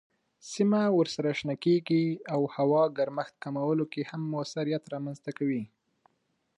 سیمه ورسره شنه کیږي او هوا ګرمښت کمولو کې هم موثریت رامنځ کوي.